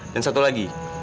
dan satu lagi